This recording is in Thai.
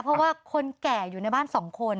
เพราะว่าคนแก่อยู่ในบ้าน๒คน